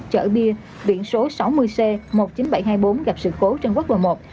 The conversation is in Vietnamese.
chở bia biển số sáu mươi c một mươi chín nghìn bảy trăm hai mươi bốn gặp sự cố trên quốc lộ một